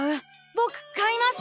ぼく買います！